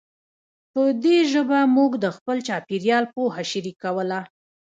په دې ژبه موږ د خپل چاپېریال پوهه شریکوله.